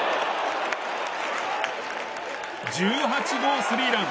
１８号スリーラン。